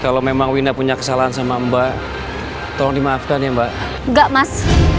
kalau memang winda punya kesalahan sama mbak tolong dimaafkan ya mbak enggak mas